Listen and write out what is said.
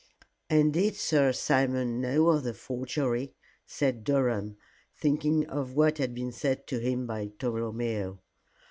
"And did Sir Simon know of the forgery?" said Durham, thinking of what had been said to him by Tolomeo.